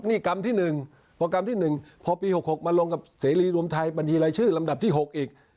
นี่กรรมที่๑พอกรรมที่๑พอปี๖๖มาลงกับเสรีรวมไทยบัญชีรายชื่อลำดับที่๖อีก